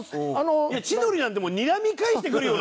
千鳥なんてにらみ返してくるような。